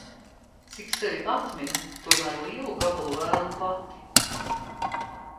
Cik sevi atminu, tomēr lielu gabalu vēlu pati.